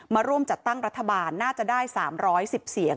มาร่วมจัดตั้งรัฐบาลน่าจะได้๓๑๐เสียง